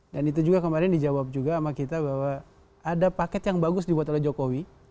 dan itu juga kemarin dijawab juga sama kita bahwa ada paket yang bagus dibuat oleh jokowi